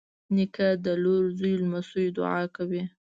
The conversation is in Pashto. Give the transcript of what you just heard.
نیکه د لور، زوی، لمسيو دعا کوي.